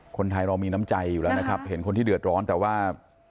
คนไทยเรามีน้ำใจอยู่แล้วนะครับเห็นคนที่เดือดร้อนแต่ว่า